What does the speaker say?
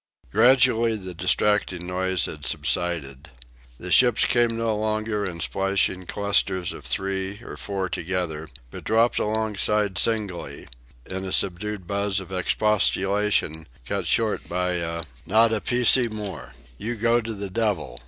Gradually the distracting noise had subsided. The boats came no longer in splashing clusters of three or four together, but dropped alongside singly, in a subdued buzz of expostulation cut short by a "Not a pace more! You go to the devil!"